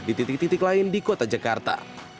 di titik titik lain di kota jakarta